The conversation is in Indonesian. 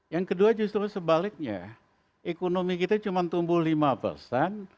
yang kedua justru sebaliknya ekonomi kita cuma tumbuh lima persen